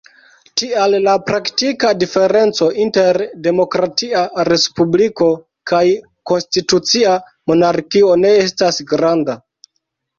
Tial, la praktika diferenco inter demokratia respubliko kaj konstitucia monarkio ne estas granda.